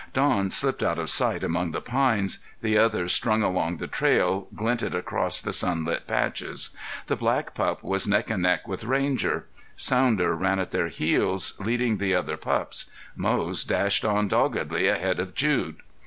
Don slipped out of sight among the pines. The others strung along the trail, glinted across the sunlit patches. The black pup was neck and neck with Ranger. Sounder ran at their heels, leading the other pups. Moze dashed on doggedly ahead of Jude.